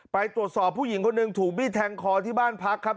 ไปตรวจสอบผู้หญิงคนหนึ่งถูกบี้แทงคอที่บ้านพักครับ